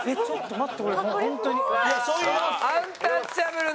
ちょっと待って。